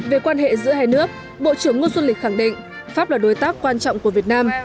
về quan hệ giữa hai nước bộ trưởng ngô xuân lịch khẳng định pháp là đối tác quan trọng của việt nam